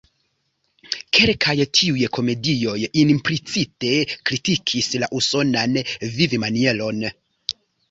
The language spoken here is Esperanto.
Kelkaj tiuj komedioj implicite kritikis la usonan vivmanieron.